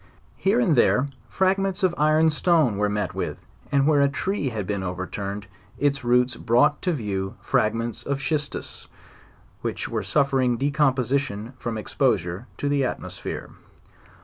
Here and there fragments of iron stone were met with, and where a tree had been overturned, its roots brought to view fragments of schistus, which were suf fering decomposition from exposure to the atmosphere.